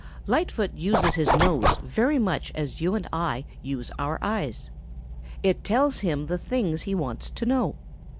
Lightfoot uses his nose very much as you and I use our eyes. It tells him the things he wants to know.